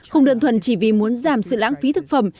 không đơn thuần chỉ vì muốn giảm sự lãng phí thực phẩm